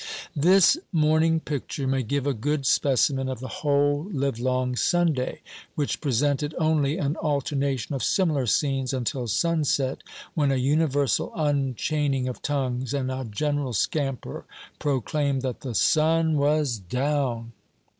This morning picture may give a good specimen of the whole livelong Sunday, which presented only an alternation of similar scenes until sunset, when a universal unchaining of tongues and a general scamper proclaimed that the "sun was down."